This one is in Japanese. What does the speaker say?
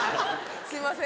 すいません。